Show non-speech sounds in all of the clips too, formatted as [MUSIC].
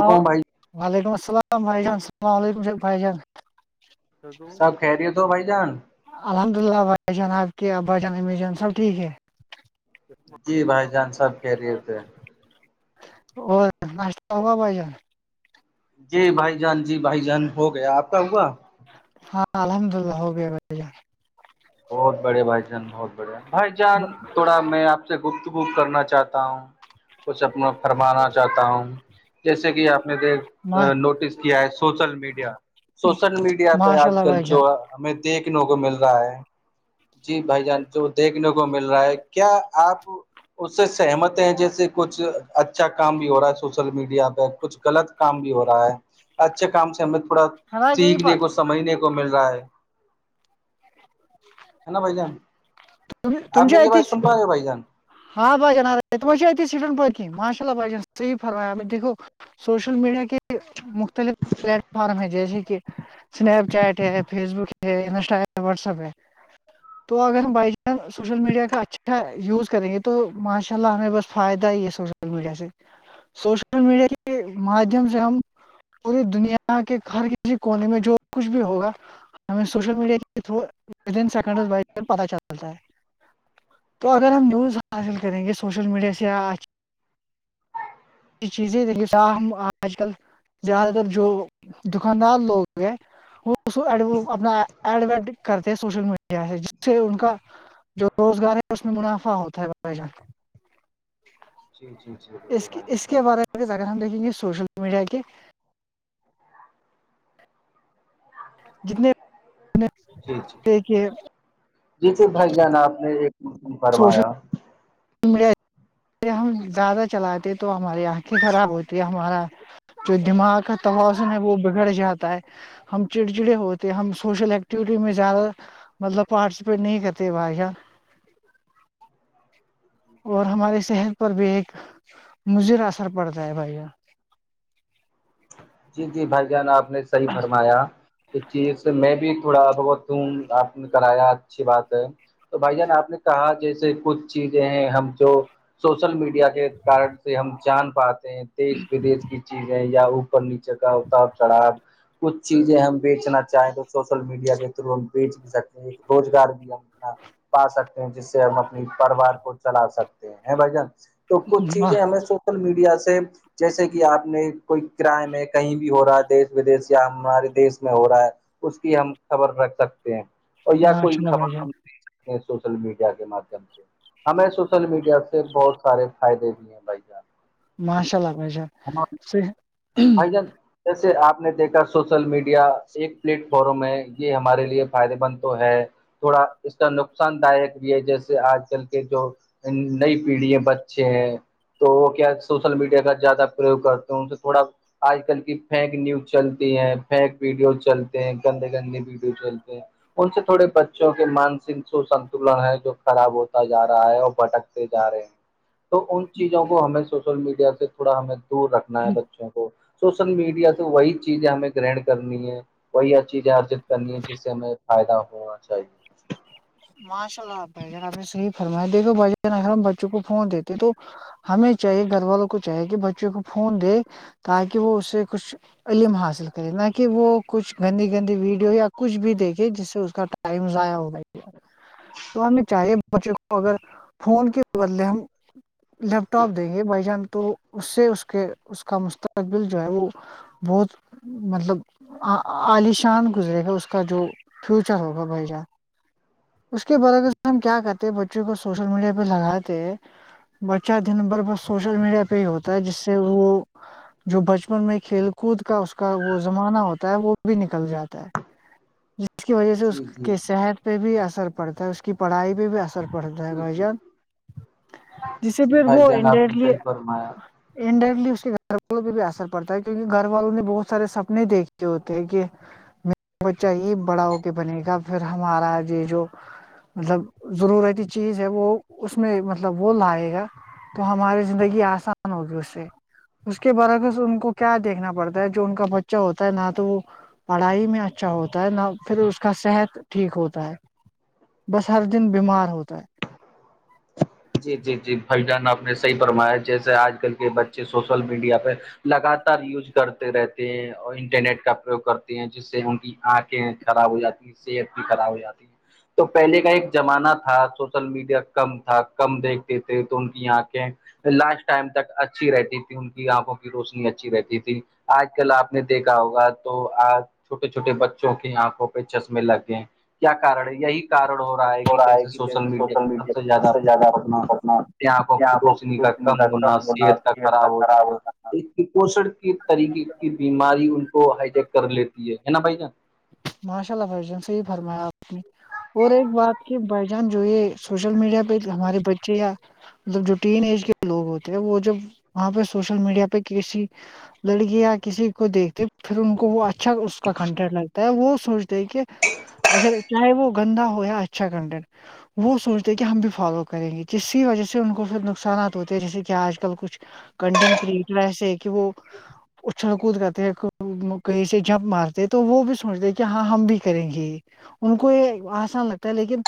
Hello کون بھائی وعلیکم السلام بھائی جان السلام علیکم شیف بھائی جان سب کہہ رہی ہو تو بھائی جان الحمد اللہ بھائی جان آب کیا بھ جان امی جان سب ٹھیک ہے جی بھائی جان سب کہہ رہے تھے اور ناشتہ ہوا بھائی جان جی بھائی جان جی بھائی جان ہو گیا آپ کا ہوا ہاں الحمد للہ ہوگ بہت بڑھیا بھائی جان بہت بڑھیا بھائی جان تھوڑا میں آپ سے گپتگپت کرنا چاہتا ہوں کچھ اپنا فرمانا چاہتا ہوں جیسے کہ آپ نے دیکھ نوٹس کیا ہے سوشل میڈیا سوشل میڈیا پہ ماشاء آج اللہ کل بھائی جو جان ہمیں دیکھنے کو مل رہا ہے جی بھائی جان جو دیکھنے کو مل رہا ہے کیا آپ اس سے سہمت ہیں جیسے کچھ اچھا کام بھی ہو رہا ہے سوشل میڈیا پہ کچھ غلط کام بھی ہو رہا ہے اچھے کام سے ہمیں تھوڑا ہاں گئی سیکھنے پت کو سمجھنے کو مل رہا ہے [INAUDIBLE] ہے نا بھائی جان آپ تم میری آواز اتچ سن پا رہے بھائی جان ہاں بائیان عار ت وہ میںا اتی سیٹ پت کن ماشاء اللہ بائین صح فرمائی آ دیکھو [INAUDIBLE] سوشل میڈیا کے مختلف پلیٹ فارم ہے جیسے کہ اسنیپ چیٹ ہے فیس بک ہے انسٹا واٹسپ ہے تو اگر ہم بائی چانس سوشل میڈیا کا اچھا یوز کریں گے تو تو ماشاء اللہ ہمیں بس فائدہ ہی ہے سوشل میڈیا سے سوشل میڈیا کے مادھیم سے ہم [INAUDIBLE] پوری دنیا کے ہر کسی کونے میں جو کچھ بھی ہوگا ہم سوشل میڈیا کے تھرو [INAUDIBLE] سیکڈ پ چلتا ہے تو جی اگر ہم نیز [UNINTELLIGIBLE] حاصل کریں گے سوشل میڈیا سے چیزیں دیک ہم آج کل زیادہ تر جو دکاندار لوگ ہیں وہڈ اپنا ایڈڈ کرتے ہیں سوشل میڈیا سے جس سے ان کا [INAUDIBLE] جو روزگار ہے اس میں منافع ہوتا ہے ب جات جی جی جی اس کی کے بارے میں اگر ہم دیکیں گے سوشل میڈیا کے جتنے کہ [INAUDIBLE] جیسے بھائی جان آپ نے ایک م سوشل فرمایا [UNINTELLIGIBLE] ہم زیادہ چلاتے تو ہماری آنکھیں خراب ہوتی ہے ہمارا [INAUDIBLE] جو دماغ کا توازن ہے وہ بگڑ جاتا ہے ہم چڑچڑے ہوتے ہم سوشل ایکٹیوٹی میں زیادہ مطلب پارٹیسپیٹ نہیں کرتے بائی اور ہماری صحت پر بھی ایک مضر اثر پڑتا ہے بھیا جی جی بھائی جان آپ نے صحیح فرمایا اس چیز سے میں بھی تھوڑا بہت ہوں آپ نے کرایا اچھی بات ہے تو بھائی جان آپ نے کہا جیسے کچھ چیزیں ہیں ہم جو سوشل میڈیا کے کارن سے ہم جان پاتے ہیں دیش ودیش کی چیزیں یا نیچے کا اتاار چڑا کچھ چیزیں ہم بیچنا چاہیں تو سوشل میڈیا کے تھرو ہم بیچ بھی سکتے ہیں ایک روزگار بھی ہم اپنا پا سکتے ہیں جس سے ہم اپنی پرریوار کو چلا سکتے ہیں ہیں بھائی جان تو کچھ چیزیں ہمیں سوشل میڈیا سے جیسے کہ آپ نے کوئی کرائے میں کہیں بھی ہو رہا ہے دیش ودیش یا ہمارے دیش میں ہو رہا ہے اس کی ہم خبر رکھ سکتے ہیں اور یا ماشاء کوئی اللہ بھائی خبر جان ہم د یہ سوشل میڈیا کے مادھیم سے ہمیں سوشل میڈیا سے بہت سارے فائدے بھی ہیں بھائی جان ماشاء اللہ ماشاء ص آ جن [INAUDIBLE] جیسے آپ نے دیکھا سوشل میڈیا ایک پلیٹ فارم ہے یہ ہمارے لیے فائدے مند تو ہے تھوڑا اس کا نقصان داک بھی ہے جیسے آج کل کے جو نئی پیڑھی ہے بچے ہیں تو وہ کیا سوشل میڈیا کا زیادہ پرریوگ کرتے ان سے تھوڑا آج کل کی فیک نیوز چلتی ہے پیک ویڈیوز چلتے ہیں گندے گندے ویڈیو چلتے ہیں ان سے تھوڑے بچوں کے مانسک سوسنتلن ہے جو خراب ہوتا جا رہا ہے اور بھٹکتے جا رہے ہیں تو ان چیزوں کو ہمیں سوشل میڈیا سے تھوڑا ہمیں دور رکھنا ہے بچوں کو سوشل میڈیا تو وہی چیزیں ہمیں گرہن کرنی ہے وہی چیزیں ارجت کرنی ہے جس سے ہمیں فائدہ ہونا چاہیے ماشاء اللہ ب آپ نے صحی فرمایا دیکھو ب اگر ہم بچوں کو فون دیتے تو ہمیں چاہیے گھر والوں کو چاہیے کہ بچوں کو فون دے تاکہ وہ اسے کچھ علم حاصل کرے نہ کہ وہ کچھ گندی گندی ویڈیو یا کچھ بھی دیکھے جس سے اس کا ٹائم ضع ہو گ ہے تو ہمیں چاہیے بچے کو اگر فون کے بدلے ہم لیپ ٹاپ دیں گے بھائی جان تو اس سے اس کے اس کا مستقبل جو ہے وہ بہت مطلب عالیشان گزرے گا اس کا جو فیوچر ہوگا بھائی جان اس کے برعکر سے ہم کیا کرتے بچوں کو سوشل میڈیا پہ لگاتے ہیں بچہ دن بھر بس سوشل میڈیا پہ ہی ہوتا ہے جس سے وہ جو بچپن میں کھیل کوود کا اس کا وہ زمانہ ہوتا ہے وہ بھی نکل جاتا ہے اس کی وجہ سے اس جی جی کے صحت پہ بھی اثر پڑتا ہے اس کی پڑھائی پہ بھی اثر پڑتا ہے جی بھائی جی جان جسے جی پھر بھائی وہ جان آپ نے انڈریکٹلی صحیح فرمایا انڈائریکٹلی اس کے گھر والوں پہ بھی اثر پڑتا ہے کیونکہ گھر والوں نے بہت سارے سپنے دیکھے ہوتے ہیں کہ میر بچہ یہ بڑا ہو کے بنے گا پھر ہمارا یہ جو مطلب ضرورتی چیز ہے وہ اس میں مطلب وہ لائے گا تو ہماری زندگی آسان ہوگی اس سے اس کے برعکس ان کو کیا دیکھنا پڑتا ہے جو ان کا بچہ ہوتا ہے نہ تو وہ پڑھائی میں اچھا ہوتا ہے نہ پھر اس کا صحت ٹھیک ہوتا ہے بس ہر دن بیمار ہوتا ہے جی جی جی بھائی ڈان آپ نے صحیح فرمایا جیسے آج کل کے بچے سوشل میڈیا پہ لگاتار یوز کرتے رہتے ہیں اور انٹرنیٹ کا پریوگ کرتے ہیں جس اس سے ان کی آنکھیں خراب ہو جاتی صحت بھی خراب ہو جاتی ہے تو پہلے کا ایک زمانہ تھا سوشل میڈیا کم تھا کم دیکھتے تھے تو ان کی آنکھیں لافٹ ٹائم تک اچھی رہتی تھی ان کی آنکھوں کی روشنی اچھی رہتی تھی آج کل آپ نے دیکھا ہوگا تو آج چھوٹے چھوٹے بچوں کی آنکھوں پہ چشمے لگ گئے کیا کارن ہے یہی کارن ہو رہا ہے کہ جیسے سوشل میڈیا پ سب سے زیادہ اپنا کی روشنی کا کم ہونا صحت کا خراب ہو جانا ایک کپوش کے طریقے کی بیماری ان کو ہائیٹیک کر لیتی ہے نا بھائی نا ماشاء اللہ بھائی جن سے ہی فرمایا آپ نے اور ایک بات کی بائی جان جو یہ سوشل میڈیا پہ ہمارے بچے یا مطلب جو ین ایج کے لوگ ہوتے ہیں وہ جب وہاں پہ سوشل میڈیا پہ کیسی لڑکی یا کسی کو دھتے پھر ان کو وہ اچھا اس کا کنٹینٹ لگتا وہ سوچتے کہ اگر چاہے وہ گندا ہو یا اچھا کنڈن وہ سوچتے کہ ہم بھی فالو کریں گے کسی وجہ سے ان کو پھر نقصانات ہوتے ہیں جیسے کہ آج کل کچھ کنٹینٹ کریٹر ایسے ہے کہ وہ اچھڑ کود کرتے کہیں سے جپ مارتے تو وہ بھی سوچ د کہ ہاں ہم بھی کریں گے ان کو یہ آسان لگتا ہے لیکن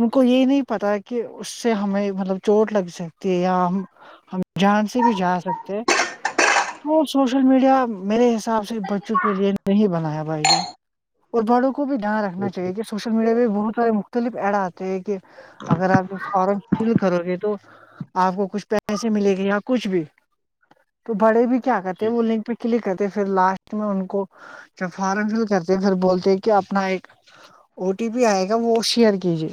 ان کو یہ نہیں پتا کہ اس سے ہمیں مطلب چوٹ لگ سکتی ہے یا ہم ہم جان سے بھی جا سکتے ہیں تو سوشل میڈیا میرے حساب سے بچوں کے لیے نہیں بنایا بھائی جان اور بڑوں کو بھی دھیان رنا چاہیے کہ سوشل میڈیا پہ بہت سارے مختلف ارارات کہ اگر آپ فارم فل کرو گے تو آپ کو کچھ پ پیسے ملے گی یا کچھ بھی تو بڑے بھی کیا کرتے جی ہیں وہ لنک پہ کلک کرتے پھر لاسٹ میں ان کو فارم فل کرتے پھر بولتے کہ اپنا ایک او ٹی پی آئے گا وہشی کی جے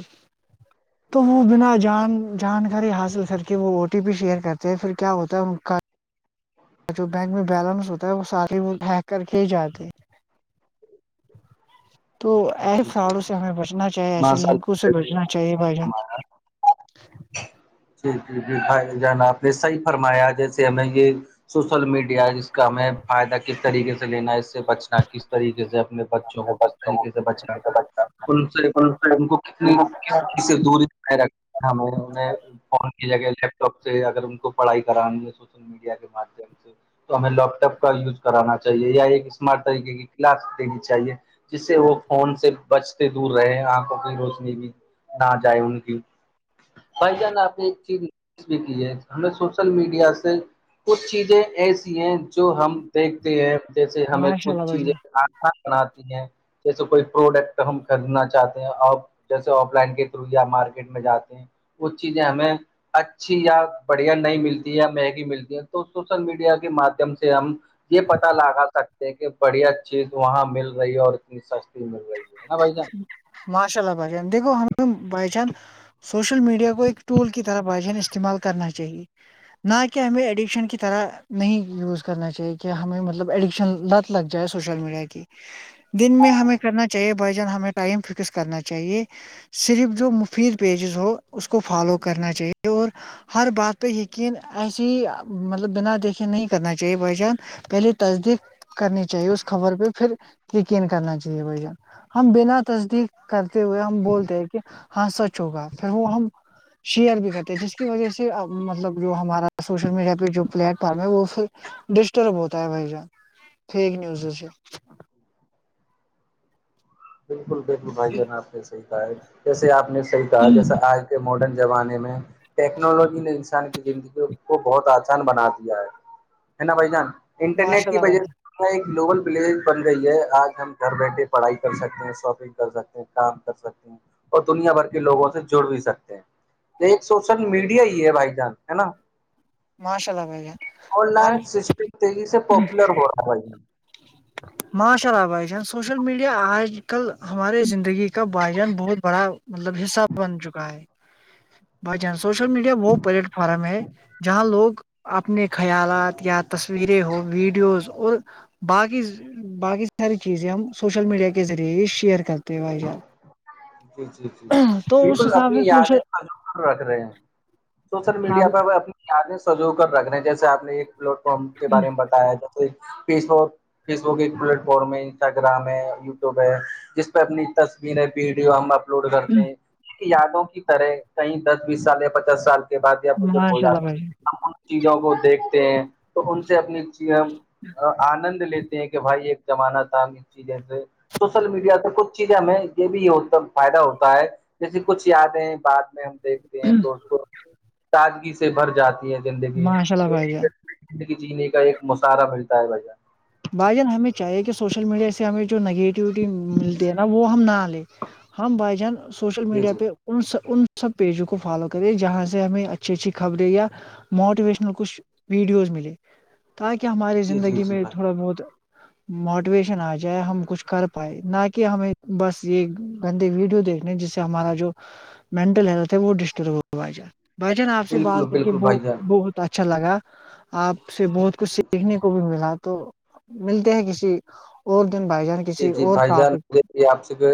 تو وہ بنا جان جانکاری حاصل کر کہ وہ او ٹی پی شیئر کرتے ہیں پھر کیا ہوتا ہے کا جو بینک میں بیلنس ہوتا ہے وہ سارے وہ ہیک کر کے ہی جاتے تو ایسے جی جی فراڑوں سے جی ہمیں بچنا چاہیے ایسے ماشاء لنکوں سے اللہ بچنا چاہیے بھائی جان ہمارا جی جی جی بھائی جان آپ نے صحیح فرمایا جیسے ہمیں یہ سوشل میڈیا جس کا ہمیں فائدہ کس طریقے سے لینا ہے اس سے بچنا کس طریقے سے اپنے ب وہ کس طریقے سے بچ کرا تھا ان سے ان کو کتنی کس ک سے دور رکھ ہمیں انہیں فون کی جگہ لیپٹاپ سے اگر ان کو پڑھائی کرانیں گے سوشل میڈیا کے ماددھیم سے تو ہمیں لیپٹاپ کا یوز کرانا چاہیے یا ایک اسمارٹ طریقے کی کلاس دینی چاہیے جس سے وہ فون سے بچتے دور رہے آنکھوں کی روشنی بھی نہ جائے ان کی بھائی جانا آ نے ایک چیری بھی کی ہے ہم نے سوشل میڈیا سے کچھ چیزیں ایسی ہیں جو ہم دیکھتے ہیں جیسے ہمیں ماشاء اللہ کچھ بھائی چیزیں جان آھا بناتی ہیں جیسے کوئی پروڈکٹ ہم خریدنا چاہتے ہیں آپ جیسے آف لائن کے تھرو یا مارکیٹ میں جاتے ہیں وہ چیزیں ہمیں اچھی یا بڑھیا نہیں ملتی یا مہنگی ملتی ہے تو سوشل میڈیا کے مادھیم سے ہم یہ پتا لگا سکتے ہیں کہ بڑھیا چیز وہاں مل رہی ہے اور سستی ملائی ہے ن بائی ماشاء اللہ بان دیکھو ہمیں بائی چان سوشل میڈیا کو ایک ٹول کی طرح با جان استعمال کرنا چاہیے نہ کہ ہمیں ایڈکشن کی طرح نہیں یوز کرنا چاہیے کہ ہمیں مطلب ایڈکشن لت لگ جائے سوشل میڈیا کی ج دن میں ہمیں کرنا چاہیے بجن ہمیں ٹائم فکس کرنا چاہیے صرف جو مفید پیجز ہو اس کو فالو کرنا چاہیے اور ہر بات پہ یقین ایسے ہی مطلب بنا یقین نہیں کرنا چاہیے بھائی جان پہلے تصدیق کرنی چاہیے اس خبر پہ پھر یقین کرنا چاہیے بھائی جان ہم بنا تصدیق کرتے ہوئے ہم بولتے ہیں کہ ہاں سچ ہوگا پھر وہ ہم [INAUDIBLE] شیئر بھی کرتے ہیں جس کی وجہ سےب مطلب جو ہمارا سوشل میڈیا پہ جو پلیٹ فارم ہے وہ ڈسٹرب ہوتا ہے بھائی جان فیک نیوزوں سے بالکل بالکل بھائی جان آپ نے صحیح کہا ہے جیسے آپ نے صحی کہا جیسا آج کے ماڈرن زمانے میں ٹیکنالوجی نے انسان کی زندگیوں کو بہت آسان بنا دیا ہے ہے نا بھائی جان انٹرنیٹ ماشاء کی اللہ وجہ بھائی۔ سے ایک گلوبل پلیج بن گئی ہے آج ہم گھر بیٹھے پڑھائی کر سکتے ہیں شاپنگ کر سکتے ہیں کام کر سکتے ہیں اور دنیا بھر کے لوگوں سے جڑ بھی سکتے ہیں یہ ایک سوشل میڈیا ہی ہے بھائی جان ہے نا ماشاء اللہ بھائی جان آن لائن سسٹم تیزی سے پاپولر ہو رہا بھ ماشاء اللہ بھائی جان سوشل میڈیا آج آ کل ہمارے زندگی کا بھائی جان بہت بڑا مطلب حصہ بن چکا ہے بائی چانس جان سوشل میڈیا وہ پلیٹ فارم ہے جہاں لوگ اپنے خیالات یا تصویریں ہو ویڈیوز اور باقی باقی ساری چیزیں ہم سوشل میڈیا کے ذریعے ہی شیئر کرتے ہیں بھائی جان جی جی جی تو اس بالکل حساب اپنی سے سوشل یادیں کاور رکھ رہے ہیں سوشل ہاں میڈیا پہ اپنی یادیں سجو کر رکھ رہے ہیں جیسے آپ نے ایک پلیٹ فارم کے بارے میں بتایا ج فیس فیس بک ایک پلیٹ فارم ہے انسٹاگرام ہے یوٹیوب ہے پ اپنی تصویریں ویڈیو ہم اپلوڈ کرتے ہیں یادوں کی طرح کہیں دس بیس سال یا پچاس سال کے بعد بزرگ ہو ماشاء اللہ جاتا بھائی جان، ہے چیزوں کو دیکھتے ہیں تو ان سے اپنی آنند لیتے ہیں کہ بھائی یہ جمانا تھا اس چیز سے سوشل میڈیا پ کچھ چیزیں ہمیں یہ بھی فائدہ ہوتا ہے جیسے کچھ یادیں بات ہم دیکھتے ہیں تو اس کو تازگی سے بھر جاتی ہے زندگی ماشاء اللہ تو بھائی جان۔ زندگ جینے کا ایک مشارہ بھرتا ہے بھایی جان بھجان ہمیں چاہے کہ سوشل میڈیا سے ہمیں جو نگیٹو ایکٹیوٹی ملتی ہے نا وہ ہم نہ لے ہم بائی جان سوشل جی میڈیا جی پہ ان س ان سب پیجوں کو فالو کرے جہاں سے ہمیں اچھی اچھی خبریں یا موٹیویشنل کچھ ویڈیوز ملے تاکہ ہماراری جی جی زندگی جی میں بھائی تھوڑا بہت موٹیویشن آ جائے ہم کچھ کر پائے نہ کہ ہمیں بس یہ گندی ویڈیو دیکھنے جس سے ہمارا جو مینٹل ہیلتھ ہے وہ ڈسٹرب ہوا جائے بھائی جان آپ سے بات بالکل کر کے بالکل ب بھائی جان بہت تو اچھا لگا آپ سے بہت کچھ جی جی سیکھنے کو بھی ملا تو ملتے ہیں کسی اور دن بھائی جان کے جی جی بھائی جان دے آپ سے کو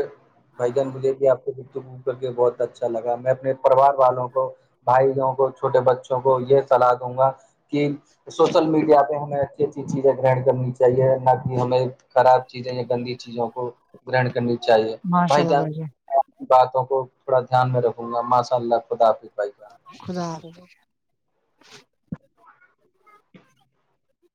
بھ جان بجھے گ آپ کو گتگ گ کر کے بہت اچھا لگا میں اپنے پریوار والوں کو بھائیوں کو چھوٹے بچوں کو یہ صلاح دوں گا کہ سوشل میڈیا پہ ہمیں اچھی اچھی چیزیں گرہن کرنی چاہیے نہ کہ ہمیں خراب چیزیں یا گندی چیزوں کو گرہن کرنی چاہیے بھائی جان باتوں کو تھوڑا دھیان میں رکھوں گا ماشاء اللہ خدافظ بھائی جان خدا حافظ